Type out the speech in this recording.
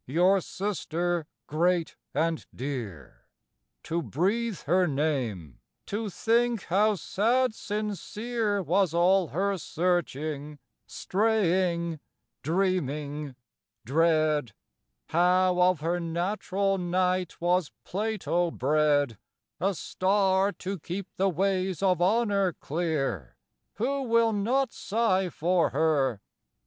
your sister great and dear. To breathe her name, to think how sad sincere Was all her searching, straying, dreaming, dread, How of her natural night was Plato bred, A star to keep the ways of honor clear, Who will not sigh for her?